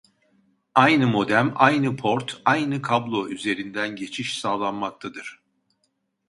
Aynı modem , aynı port , aynı kablo üzerinden geçiş sağlanmaktadır